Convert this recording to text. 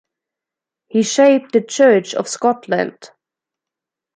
He shaped the Church of Scotland.